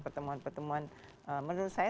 pertemuan pertemuan menurut saya